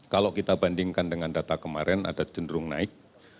kalau kita bandingkan dengan data kemarin ada cenderung naik